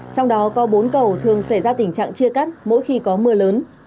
trong đó có bốn cầu thường xảy ra tình trạng chia cắt mỗi khi có mưa lớn